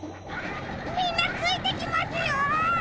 みんなついてきますよ！